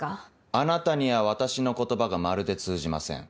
あなたには私の言葉がまるで通じません。